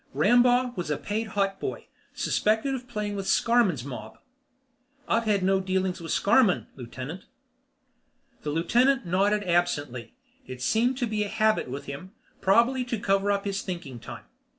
Rampaugh was a paid hotboy, suspected of playing with Scarmann's mob." "I've had no dealings with Scarmann, Lieutenant." The Lieutenant nodded absently. It seemed to be a habit with him, probably to cover up his thinking time.